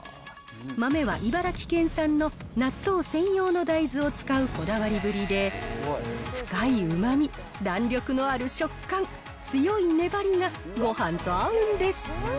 豆は茨城県産の納豆専用の大豆を使うこだわりぶりで、深いうまみ、弾力のある食感、強い粘りがごはんと合うんです。